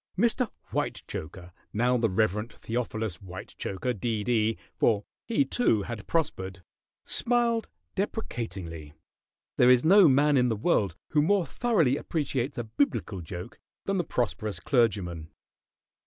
Mr. Whitechoker now the Rev. Theophilus Whitechoker, D.D., for he, too, had prospered smiled deprecatingly. There is no man in the world who more thoroughly appreciates a biblical joke than the prosperous clergyman.